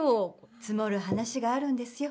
積もる話があるんですよ